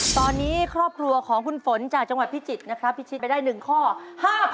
ตอนนี้ครอบครัวของคุณฝนจากจังหวัดพิจิตรไปได้หนึ่งข้อ๕๐๐๐บาท